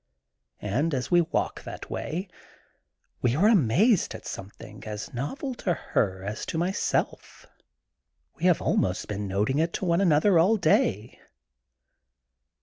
And, as we walk that way, we are amazed at something as novel to her as to myself. We have been al most noting it to one another all day.